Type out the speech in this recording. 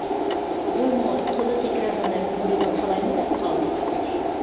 بۇمۇ تولا تەكرارلىنىپ مودىدىن قالايمۇ دەپ قالدى.